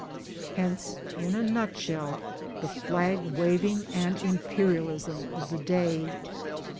Hence in a nutshell the flag waving and Imperialism of the day.